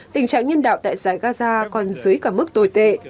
tình trạng nhân đạo tại giải gaza còn dưới cả mức tồi tệ